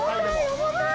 重たい！